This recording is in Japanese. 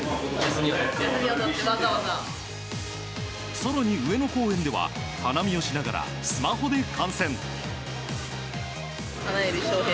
更に上野公園では花見をしながらスマホで観戦。